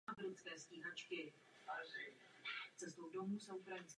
Na zadním obalu obou verzí pak byly fotografie členů skupiny.